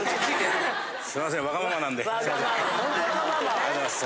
ありがとうございます。